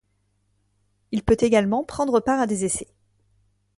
Il peut également prendre part à des essais.